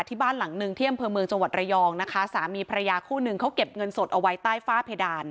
ที่บ้านหลังหนึ่งที่อำเภอเมืองจังหวัดระยองนะคะสามีภรรยาคู่หนึ่งเขาเก็บเงินสดเอาไว้ใต้ฝ้าเพดาน